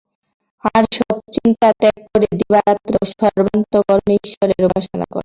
আর সব চিন্তা ত্যাগ করে দিবারাত্র সর্বান্তঃকরণে ঈশ্বরের উপাসনা কর।